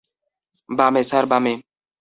বামে, স্যার, বামে!